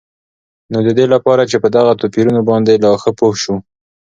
نو ددي لپاره چې په دغه توپيرونو باندي لا ښه پوه شو